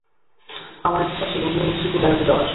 আমার ইচ্ছা ছিল নিউ মেক্সিকো বেড়াতে যাওয়ার।